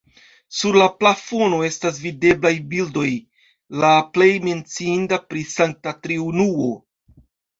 Sur la plafono estas videblaj bildoj, la plej menciinda pri Sankta Triunuo.